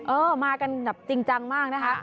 เออมากันแบบจริงจังมากนะคะ